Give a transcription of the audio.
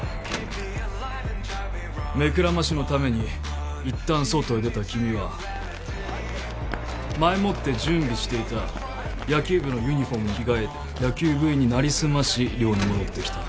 目くらましのためにいったん外へ出た君は前もって準備していた野球部のユニホームに着替え野球部員に成り済まし寮に戻ってきた。